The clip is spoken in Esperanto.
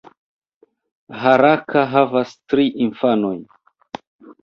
Harakka havas tri infanojn.